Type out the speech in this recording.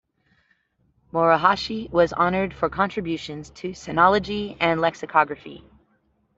Morohashi was honored for contributions to sinology and lexicography.